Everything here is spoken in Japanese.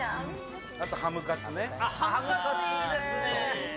あとハムカツね。